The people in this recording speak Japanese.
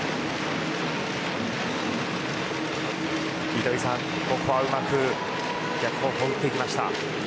糸井さん、ここはうまく逆方向を打っていきました。